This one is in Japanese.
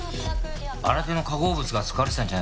新手の化合物が使われてたんじゃないのか？